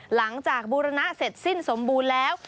บูรณะเสร็จสิ้นสมบูรณ์แล้ว